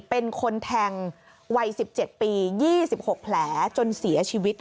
เป็นคนแทงวัยสิบเจ็ดปียี่สิบหกแผลจนเสียชีวิต